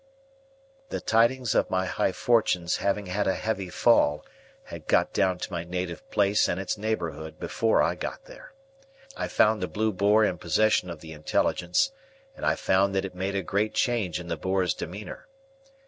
The tidings of my high fortunes having had a heavy fall had got down to my native place and its neighbourhood before I got there. I found the Blue Boar in possession of the intelligence, and I found that it made a great change in the Boar's demeanour.